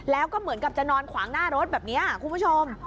แล้วก็เหมือนกับจะนอนขวางหน้ารถแบบนี้คุณผู้ชม